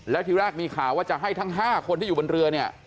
แล้วทีแรกมีข่าวว่าจะให้ทั้ง๕คนที่อยู่บนเรือเนี่ย